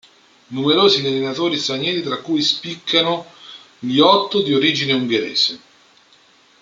Numerosi gli allenatori stranieri, tra cui spiccano gli otto di origine ungherese.